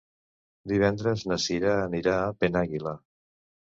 Divendres na Cira anirà a Penàguila.